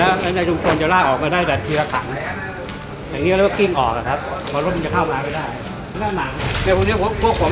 และในการปฏิบัติหน้าที่เราต้องใช้เวลาในการปฏิบัติหน้าที่ระยะเวลาหนึ่งนะครับ